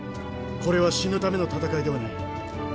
これは死ぬための戦いではない。